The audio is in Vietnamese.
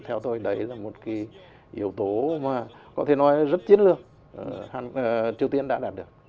theo tôi đấy là một yếu tố mà có thể nói rất chiến lược triều tiên đã đạt được